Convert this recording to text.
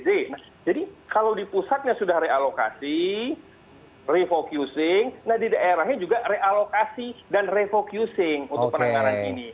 jadi kalau di pusatnya sudah realokasi refocusing nah di daerahnya juga realokasi dan refocusing untuk penanganan ini